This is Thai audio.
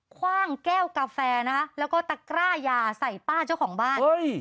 คว่างแก้วกาแฟนะคะแล้วก็ตะกร้ายาใส่ป้าเจ้าของบ้าน